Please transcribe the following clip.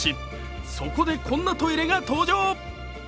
そこで、こんなトイレが登場。